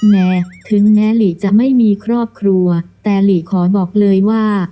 แม้ถึงแม้หลีจะไม่มีครอบครัวแต่หลีขอบอกเลยว่า